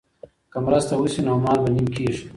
که مرسته وشي نو مال به نیم کیږي.